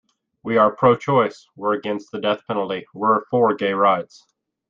We are pro-choice; we're against the death penalty; we're for gay rights.